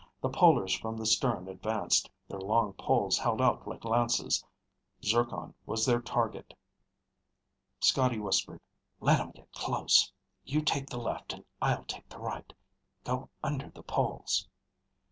The polers from the stern advanced, their long poles held out like lances. Zircon was their target. Scotty whispered, "Let 'em get close. You take the left and I'll take the right. Go under the poles."